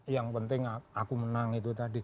yang penting aku menang itu tadi